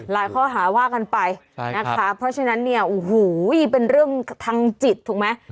ข้อหาว่ากันไปนะคะเพราะฉะนั้นเนี่ยโอ้โหเป็นเรื่องทางจิตถูกไหม